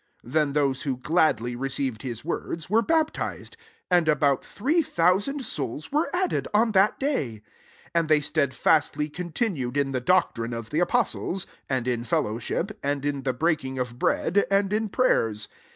41 Then those who [^iadly'] received his words, were bap tized : and about three thousand spuls were added on that day. 42 And they stedfastly continu ed in the doctrine of the apos tles, and in fellowship, and in the breaking of bread, and in prayers.